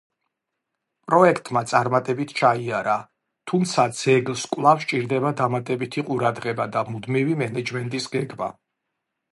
პროექტმა წარმატებით ჩაიარა, თუმცა ძეგლს კვლავ სჭირდება დამატებითი ყურადღება და მუდმივი მენეჯმენტის გეგმა.